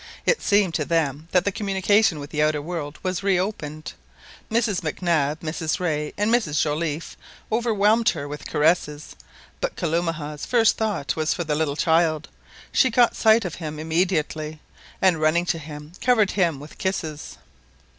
It seemed to them that the communication with the outer world was reopened. Mrs Mac Nab, Mrs Rae and Mrs Joliffe overwhelmed her with caresses, but Kalumah's first thought was for the little child, she caught sight of him immediately, and running to him covered him with kisses.